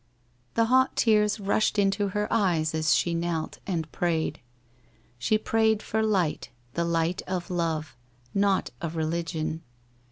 The hot tears rushed into her eyes as she knelt, and prayed. She prayed for light, the light of love, not of re ligion.